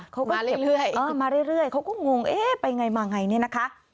เขาก็เก็บมาเรื่อยเขาก็งงเอ๊ะไปไงมาไงนี่นะคะ